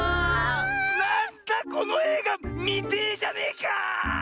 なんだこのえいがみてえじゃねえか！